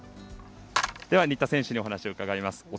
では、新田選手にお話を伺います。